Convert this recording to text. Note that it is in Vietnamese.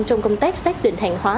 trong công tác xác định hàng hóa